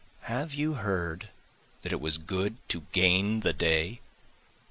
Have you heard that it was good to gain the day?